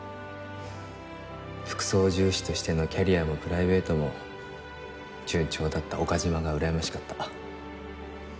副操縦士としてのキャリアもプライベートも順調だった岡島がうらやましかった。